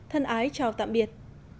thân ái chào tạm biệt